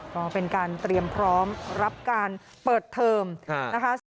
ก็เป็นการเตรียมพร้อมรับการเปิดเทอมนะคะ